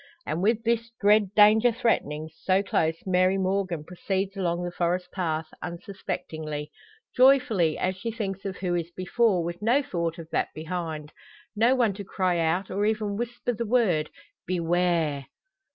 And with this dread danger threatening so close Mary Morgan proceeds along the forest path, unsuspectingly: joyfully, as she thinks of who is before, with no thought of that behind no one to cry out, or even whisper, the word: "Beware!"